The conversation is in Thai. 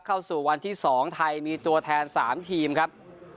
เข้าสู่วันที่๒ไทยมีตัวแทน๓ทีมครับ